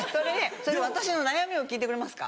それで私の悩みを聞いてくれますか。